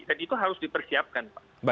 dan itu harus dipersiapkan